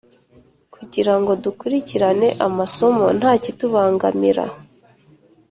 kugira ngo dukurikirane amasomo nta kitubangamira.